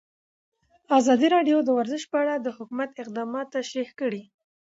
ازادي راډیو د ورزش په اړه د حکومت اقدامات تشریح کړي.